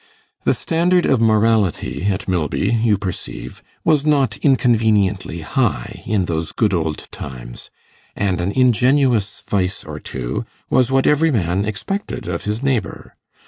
The standard of morality at Milby, you perceive, was not inconveniently high in those good old times, and an ingenuous vice or two was what every man expected of his neighbour.